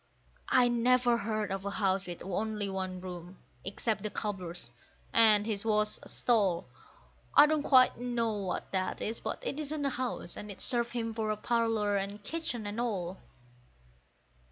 I never heard of a house with only one room, except the cobbler's, and his was a stall. I don't quite know what that is; but it isn't a house, and it served him for parlour and kitchen and all.